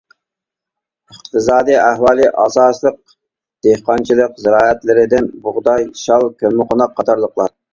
ئىقتىسادىي ئەھۋالى ئاساسلىق دېھقانچىلىق زىرائەتلىرىدىن بۇغداي، شال، كۆممىقوناق قاتارلىقلار.